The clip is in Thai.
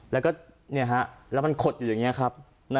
แล้วก็แล้วมันขดอยู่อย่างนี้ครับ